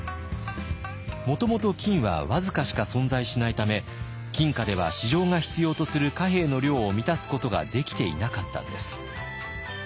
もともと金は僅かしか存在しないため金貨では市場が必要とする貨幣の量を満たすことができていなかったんです。